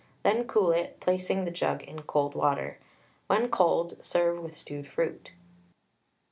Then cool it, placing the jug in cold water. When cold, serve with stewed fruit.